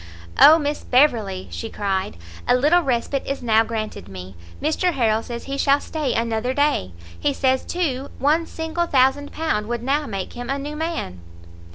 "Oh Miss Beverley," she cried, "a little respite is now granted me! Mr Harrel says he shall stay another day; he says, too, one single thousand pound would now make him a new man."